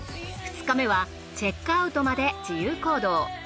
２日目はチェックアウトまで自由行動。